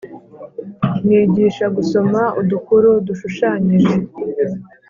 Nigisha gusoma udukuru dushushanyije